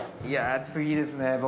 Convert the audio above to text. いや次ですね